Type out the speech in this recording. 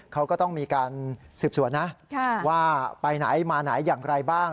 เขาก็ต้องมีการสืบสวนนะว่าไปไหนมาไหนอย่างไรบ้าง